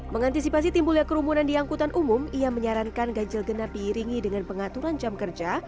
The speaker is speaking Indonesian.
mengantisipasi timbulnya kerumunan di angkutan umum ia menyarankan ganjil genap diiringi dengan pengaturan jam kerja